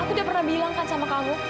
aku udah pernah bilang sama kamu